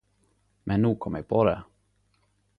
Men no kom eg på det.